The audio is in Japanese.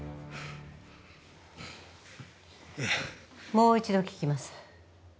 もう一度聞きます。